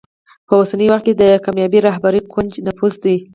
په اوسني وخت کې د کامیابې رهبرۍ کونجي نفوذ دی.